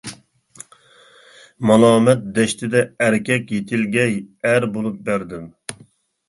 مالامەت دەشتىدە ئەركەك يېتىلگەي ئەر بولۇپ بەردەم.